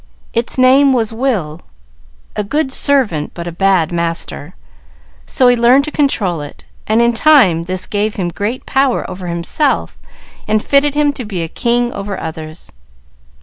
Its name was Will, a good servant, but a bad master; so he learned to control it, and in time this gave him great power over himself, and fitted him to be a king over others."